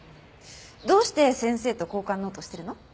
どうして先生と交換ノートをしてるの？